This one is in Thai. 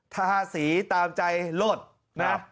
ทาสีตามใจโลดนะ